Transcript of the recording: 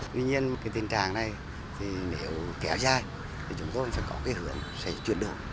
tuy nhiên cái tình trạng này thì nếu kéo dài thì chúng tôi sẽ có cái hướng sẽ chuyển đổi